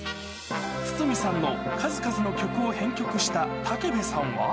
筒美さんの数々の曲を編曲した武部さんは。